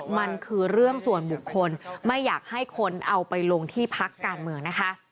มันคือเรื่องส่วนบุคคลไม่อยากให้คนเอาไปลงที่พักการเมืองนะคะ